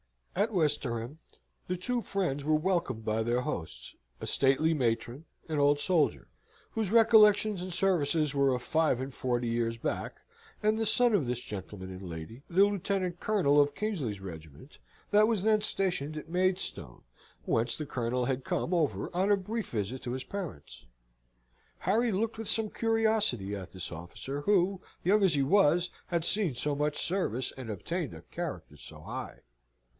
At Westerham the two friends were welcomed by their hosts, a stately matron, an old soldier, whose recollections and services were of five and forty years back, and the son of this gentleman and lady, the Lieutenant Colonel of Kingsley's regiment, that was then stationed at Maidstone, whence the Colonel had come over on a brief visit to his parents. Harry looked with some curiosity at this officer, who, young as he was, had seen so much service, and obtained a character so high.